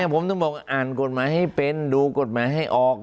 ผมต้องบอกอ่านกฎหมายให้เป็นดูกฎหมายให้ออก